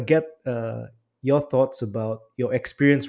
pendapat anda tentang pengalaman anda